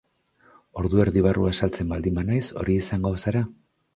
Ordu erdi barru azaltzen baldin banaiz, hori izango zara?